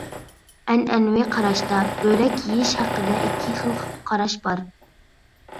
ئەنئەنىۋى قاراشتا بۆرەك يېيىش ھەققىدە ئىككى خىل قاراش بار.